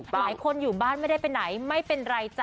หลายคนอยู่บ้านไม่ได้ไปไหนไม่เป็นไรจ้